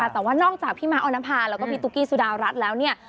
แต่ว่านอกจากพี่ม้าออนภาแล้วก็พี่ตุ๊กกี้สุดารัฐแล้วเนี่ย